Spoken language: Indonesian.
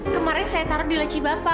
kemarin saya taruh di lacibapa